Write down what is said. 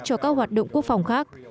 cho các hoạt động quốc phòng khác